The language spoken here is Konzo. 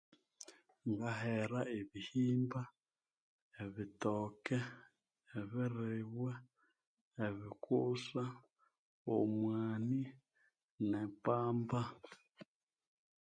Ngahera ebihimba ebitoke ebiribwa ebikusa omwani ne pamba